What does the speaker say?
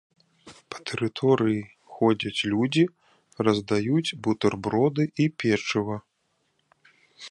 Па тэрыторыі ходзяць людзі, раздаюць бутэрброды і печыва.